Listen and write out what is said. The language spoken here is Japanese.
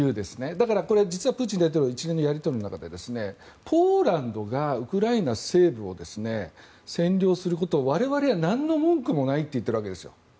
だから実はプーチン大統領一連のやり取りの中でポーランドがウクライナ西部を占領することを我々はなんの文句もないと言っているわけです。